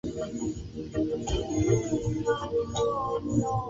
nafikiri hicho ni kite ni kitendo cha kiburi bila shaka